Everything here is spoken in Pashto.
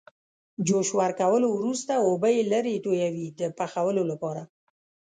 جوش ورکولو وروسته اوبه یې لرې تویوي د پخولو لپاره.